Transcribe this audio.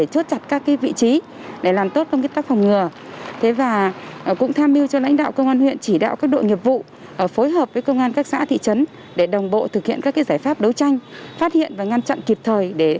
chúng tôi cũng tham mưu cho lãnh đạo công an huyện chỉ đạo các đội nghiệp vụ phối hợp với công an các xã thị trấn để đồng bộ thực hiện các giải pháp đấu tranh phát hiện và ngăn chặn kịp thời